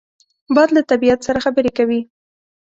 باد له طبیعت سره خبرې کوي